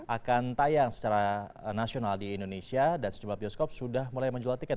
akan tayang secara nasional di indonesia dan sejumlah bioskop sudah mulai menjual tiket